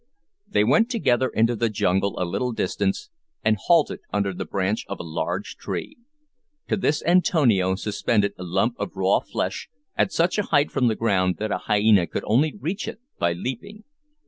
They went together into the jungle a little distance, and halted under the branch of a large tree. To this Antonio suspended a lump of raw flesh, at such a height from the ground that a hyena could only reach it by leaping.